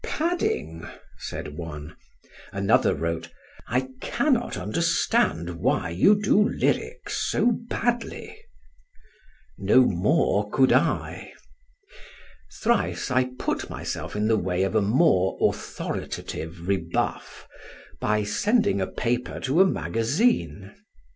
"Padding," said one. Another wrote: "I cannot understand why you do lyrics so badly." No more could I! Thrice I put myself in the way of a more authoritative rebuff, by sending a paper to a magazine.